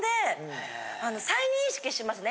再認識しますね